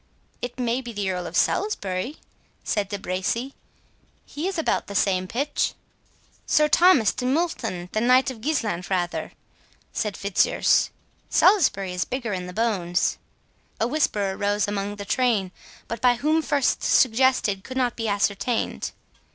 "It may be the Earl of Salisbury," said De Bracy; "he is about the same pitch." "Sir Thomas de Multon, the Knight of Gilsland, rather," said Fitzurse; "Salisbury is bigger in the bones." A whisper arose among the train, but by whom first suggested could not be ascertained.